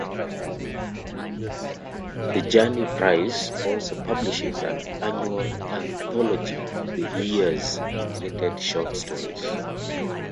The Journey Prize also publishes an annual anthology of the year's nominated short stories.